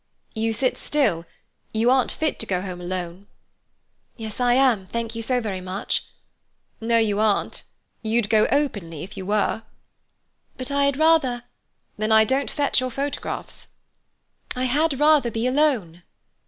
"You sit still; you aren't fit to go home alone." "Yes, I am, thank you so very much." "No, you aren't. You'd go openly if you were." "But I had rather—" "Then I don't fetch your photographs." "I had rather be alone."